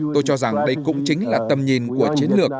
tôi cho rằng đây cũng chính là tầm nhìn của chiến lược